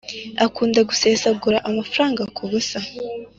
akunda gusesagura amafaranga ku busa